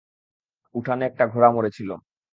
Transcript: উঠানে একটা ঘোড়া মরেছিল।